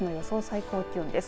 予想最高気温です。